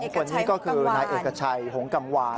คนนี้ก็คือนายเอกชัยหงกังวาน